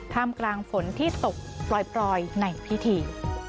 มกลางฝนที่ตกปล่อยในพิธี